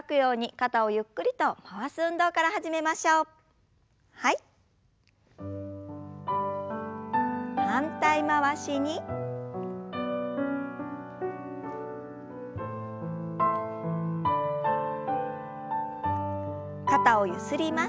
肩をゆすります。